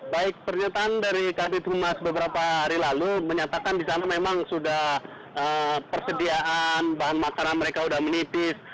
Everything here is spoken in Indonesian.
baik pernyataan dari kabit humas beberapa hari lalu menyatakan di sana memang sudah persediaan bahan makanan mereka sudah menipis